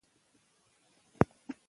عمل کول تر خبرو غوره دي.